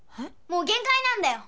もう限界なんだよ